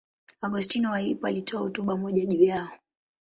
Augustino wa Hippo alitoa hotuba moja juu yao.